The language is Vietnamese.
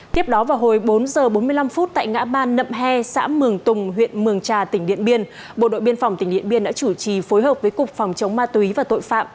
tiếp đó vào hồi bốn h bốn mươi năm phút tại ngã ban nậm he xã mường tùng huyện mường trà tỉnh điện biên bộ đội biên phòng tỉnh điện biên đã chủ trì phối hợp với cục phòng chống ma túy và tội phạm